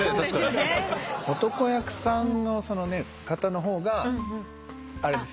男役さんの方の方があれですよね